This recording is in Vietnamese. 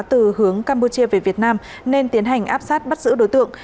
từ hướng campuchia về việt nam nên tiến hành áp sát bắt giữ đối tượng